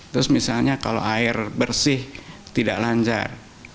terus misalnya kalau air bersih tidak lancar